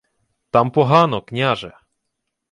— Там погано, княже!